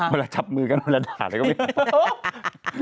แต่เวลาจับมือกันไปแล้วด่าอะไรก็ไม่เห็น